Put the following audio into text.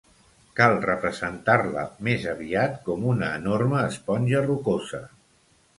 Cal representar-la més aviat com una enorme esponja rocosa.